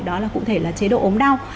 đó là cụ thể là chế độ ốm đau